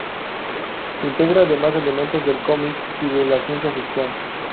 Integra además elementos del cómic y de la ciencia ficción.